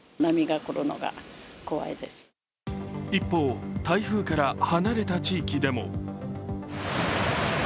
一方、台風から離れた地域でも。